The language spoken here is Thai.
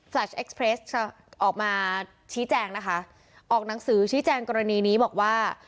เอ็กซ์เพรสออกมาชี้แจงนะคะออกหนังสือชี้แจงกรณีนี้บอกว่า